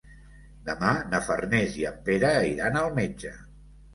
Demà na Farners i en Pere iran al metge.